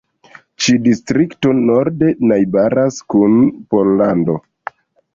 Ĉi-distrikto norde najbaras kun Pollando.